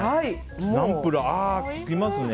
ナンプラー、来ますね。